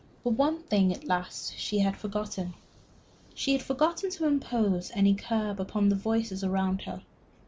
But one thing at last she had forgotten. She had forgotten to impose any curb upon the voices round her.